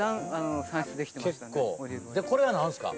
これは何ですか？